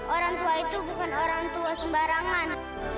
orang tua itu bukan orang tua sembarangan